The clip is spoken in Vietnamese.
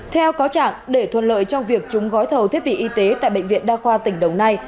theo có trạng để thuận lợi trong việc chúng gói thầu thiết bị y tế tại bệnh viện đa khoa tỉnh đồng nai